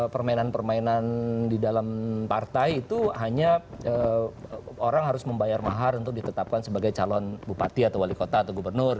permainan permainan di dalam partai itu hanya orang harus membayar mahar untuk ditetapkan sebagai calon bupati atau wali kota atau gubernur